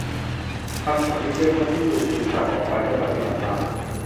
คำสั่งที่เข้มงวดที่สุดถูกสั่งออกไปและปฏิบัติตาม